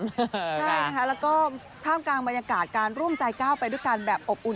กันครับแล้วก็ช่างมัยกาศการร่วมใจก้าวไปด้วยกันแบบอบอุ่น